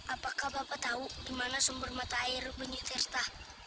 apakah bapak tahu di mana sumber mata air banyutirta